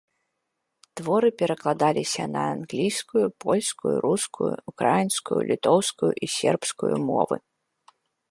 Творы перакладаліся на англійскую, польскую, рускую, украінскую, літоўскую і сербскую мовы.